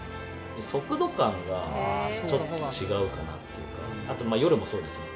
速度感がちょっと違うかなっていうか、あと夜もそうですね。